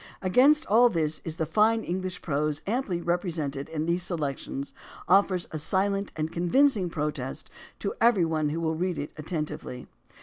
Against all this the fine English prose amply represented in these selections offers a silent and convincing pro test to every one who will read it attentively.